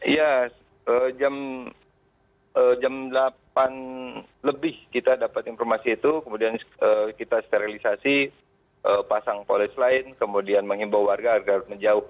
ya jam delapan lebih kita dapat informasi itu kemudian kita sterilisasi pasang polis lain kemudian mengimbau warga agar menjauh